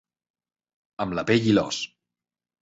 Amb la pell i l'os.